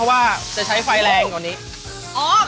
ว่าจะใช้ไฟแรงกว่านี้